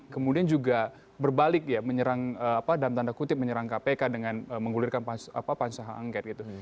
kemudian juga berbalik ya menyerang apa dalam tanda kutip menyerang kpk dengan menggulirkan pansus hak angket gitu